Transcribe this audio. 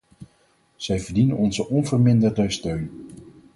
Zij verdienen onze onverminderde steun.